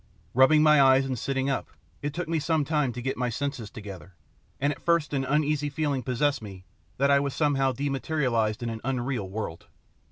Rubbing my eyes and sitting up, it took me some time to get my senses together, and at first an uneasy feeling possessed me that I was somehow dematerialised and in an unreal world.